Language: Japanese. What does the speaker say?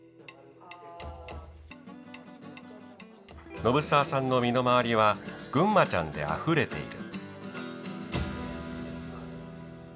信澤さんの身の回りはぐんまちゃんであふれている。